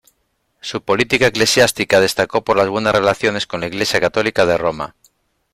Su política eclesiástica destacó por las buenas relaciones con la Iglesia católica de Roma.